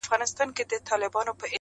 ګلکده وجود دي تاته مبارک وي-